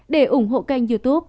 để ủng hộ kênh youtube